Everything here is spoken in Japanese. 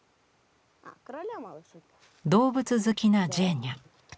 動物好きなジェーニャ。